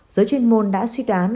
giới chuyên môn đã suy đoán